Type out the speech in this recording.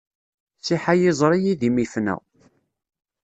Siḥ ay iẓri idim ifna.